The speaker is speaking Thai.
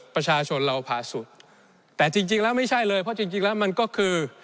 ประชาชนเราภาสุทธิ์แต่จริงแล้วไม่ใช่เลยเพราะจริงแล้วมันก็คือ